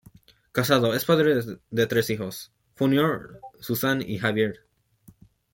Casado, es padre de tres hijos: Junior, Susan y Javier.